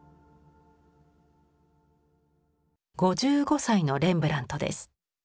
５５歳のレンブラントです。